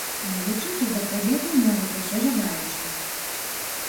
Далучыцца да прабегу могуць усе жадаючыя.